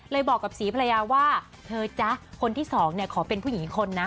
บอกกับศรีภรรยาว่าเธอจ๊ะคนที่สองเนี่ยขอเป็นผู้หญิงอีกคนนะ